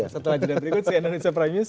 setelah jeda berikut si indonesia prime news